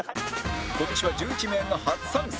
今年は１１名が初参戦